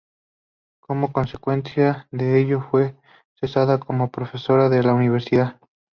Como consecuencia de ello, fue cesada como profesora de la Universidad.